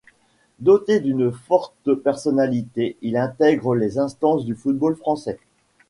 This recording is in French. Doté d'une forte personnalité, il intègre les instances du football français.